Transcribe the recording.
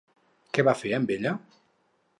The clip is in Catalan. Què va fer amb ella?